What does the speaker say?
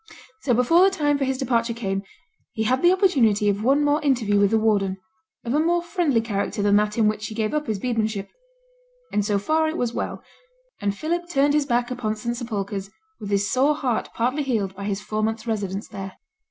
So before the time for his departure came, he had the opportunity of one more interview with the warden, of a more friendly character than that in which he gave up his bedesmanship. And so far it was well; and Philip turned his back upon St Sepulchre's with his sore heart partly healed by his four months' residence there.